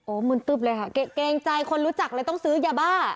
มึนตึ๊บเลยค่ะเกรงใจคนรู้จักเลยต้องซื้อยาบ้า